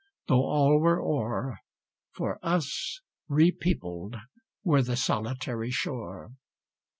though all were o'er, For us repeopled were the solitary shore.